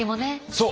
そう！